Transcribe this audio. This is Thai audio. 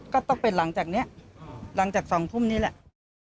ก็ต้องเป็นหลังจากนี้หลังจาก๒ทุ่มนี้แหละ